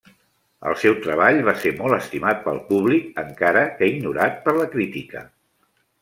El seu treball va ser molt estimat pel públic, encara que ignorat per la crítica.